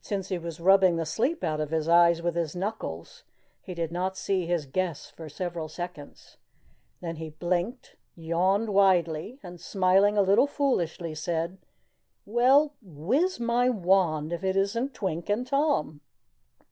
Since he was rubbing the sleep out of his eyes with his knuckles, he did not see his guests for several seconds. Then he blinked, yawned widely, and smiling a little foolishly said: "Well, wiz my wand if it isn't Twink and Tom."